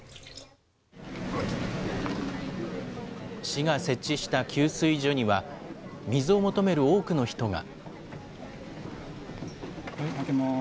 市が設置した給水所には、水を求める多くの人が。